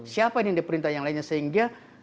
siapa ini diperintah yang lainnya sehingga